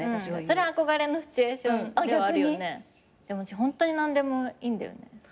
私ホントに何でもいいんだよね。